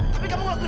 tapi kamu gak keal